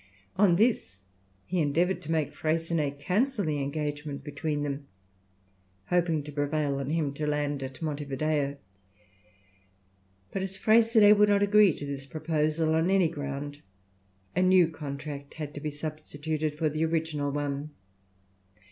On this he endeavoured to make Freycinet cancel the engagement between them, hoping to prevail on him to land at Monte Video. But as Freycinet would not agree to this proposal on any ground, a new contract had to be substituted for the original one.